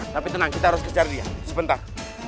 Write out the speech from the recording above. tapi tenang kita harus kejar dia sebentar